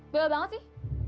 bela banget sih